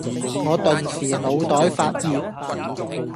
我頓時腦袋發熱